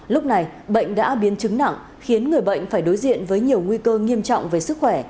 lúc này bệnh đã biến chứng nặng khiến người bệnh phải đối diện với nhiều nguy cơ nghiêm trọng về sức khỏe